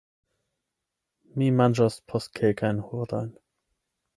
Mi manĝos post kelkajn horojn.